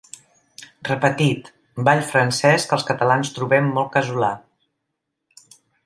Repetit, ball francès que els catalans trobem molt casolà.